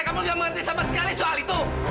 kamu tidak mengerti sama sekali soal itu